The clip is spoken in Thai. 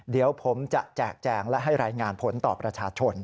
เดี๋ยวผมจะแจกแจงและให้รายงานผลต่อประชาชน